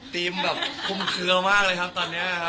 แบบคุ้มเคลือมากเลยครับตอนนี้ครับ